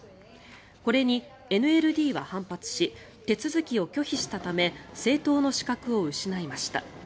これにＮＬＤは反発し手続きを拒否したため政党の資格を失いました。